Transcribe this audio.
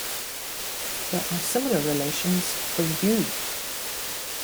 There are similar relations for "U".